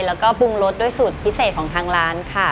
แล้วก็ปรุงรสด้วยสูตรพิเศษของทางร้านค่ะ